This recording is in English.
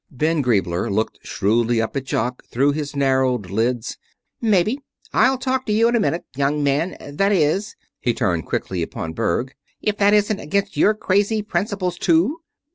Ben Griebler looked shrewdly up at Jock through narrowed lids. "Maybe. I'll talk to you in a minute, young man that is " he turned quickly upon Berg "if that isn't against your crazy principles, too?"